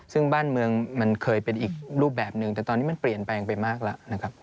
ซึ่งบ้านเมืองมันเคยเป็นอีกรูปแบบหนึ่งแต่ตอนนี้มันเปลี่ยนแปลงไปมากแล้วนะครับ